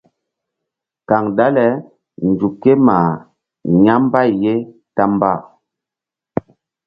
Kaŋ dale nzuk ké mah ya̧ mbay ye ta mba.